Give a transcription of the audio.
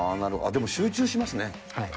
でも集中しますね。